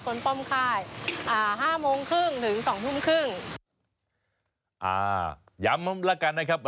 ป้อมค่ายอ่าห้าโมงครึ่งถึงสองทุ่มครึ่งอ่าย้ำแล้วกันนะครับ